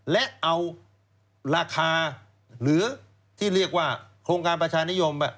และเอาราคาหรือที่เรียกว่าโครงการประชานิยม